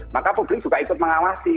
maka publik juga ikut mengawasi